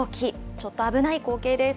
ちょっと危ない光景です。